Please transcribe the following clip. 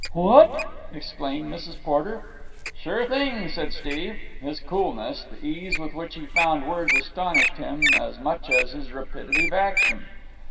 "What!" exclaimed Mrs. Porter. "Sure thing," said Steve. His coolness, the ease with which he found words astonished him as much as his rapidity of action.